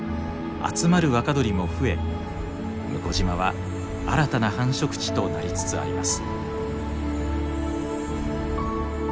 集まる若鳥も増え聟島は新たな繁殖地となりつつあります。